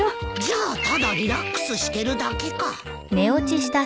じゃあただリラックスしてるだけか。